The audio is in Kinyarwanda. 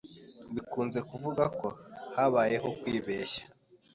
bikunze kuvuga ko habayeho kwibeshya